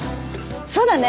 そうだね。